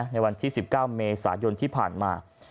ในวันที่๑๙เมษายนที่ผ่านมา